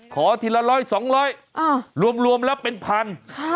ขอทีละร้อยสองร้อยรวมแล้วเป็นพัน